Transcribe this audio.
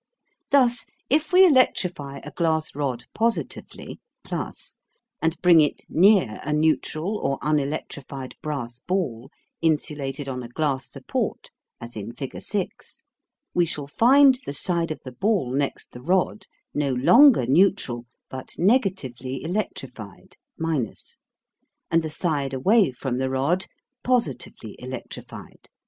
Thus if we electrify a glass rod positively (+) and bring it near a neutral or unelectrified brass ball, insulated on a glass support, as in figure 6, we shall find the side of the ball next the rod no longer neutral but negatively electrified (), and the side away from the rod positively electrified (+).